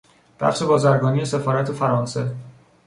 بخش بازرگانی سفارت فرانسه